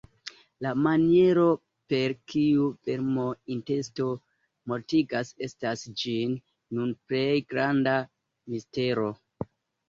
La maniero, per kiu "vermo-intesto" mortigas, estas ĝis nun plej granda mistero.